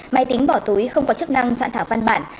máy tính bỏ túi không có chức năng soạn thảo văn bản